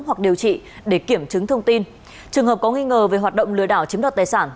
hoặc điều trị để kiểm chứng thông tin trường hợp có nghi ngờ về hoạt động lừa đảo chiếm đoạt tài sản